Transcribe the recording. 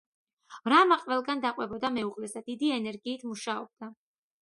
რამა ყველგან დაყვებოდა მეუღლეს და დიდი ენერგიით მუშაობდა.